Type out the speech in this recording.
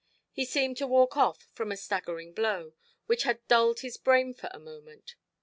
He seemed to walk off from a staggering blow, which had dulled his brain for the moment.